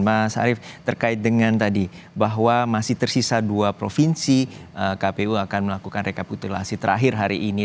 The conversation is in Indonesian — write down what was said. mas arief terkait dengan tadi bahwa masih tersisa dua provinsi kpu akan melakukan rekapitulasi terakhir hari ini